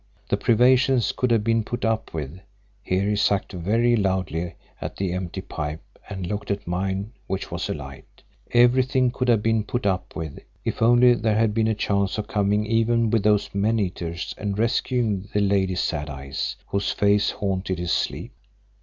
The privations could have been put up with (here he sucked very loudly at the empty pipe and looked at mine, which was alight), everything could have been put up with, if only there had been a chance of coming even with those men eaters and rescuing the Lady Sad Eyes, whose face haunted his sleep.